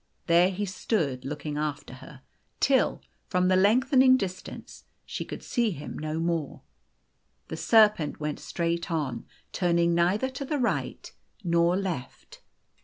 There he stood, looking after her r The Golden Key 209 till, from the lengthening distance, she could see him t O O ' no more. The serpent went straight on, turning neither to the ri^ht nor left.